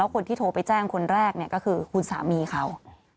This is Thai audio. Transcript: แล้วคนที่โทรไปแจ้งคนแรกเนี่ยก็คือคุณสามีเขา